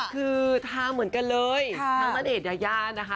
คือทาเหมือนกันเลยทั้งณเดชน์ยายานะคะ